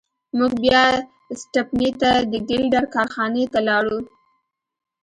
موږ بیا سټپني ته د ګیلډر کارخانې ته لاړو.